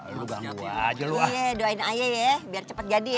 lu ganggu aja lu ah doain aja ya biar cepat jadi ya